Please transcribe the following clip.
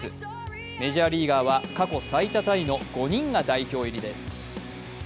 メジャーリーガーは過去最多タイの５人が代表入りです。